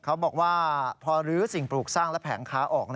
เขาบอกว่าพอลื้อสิ่งปลูกสร้างและแผงค้าออก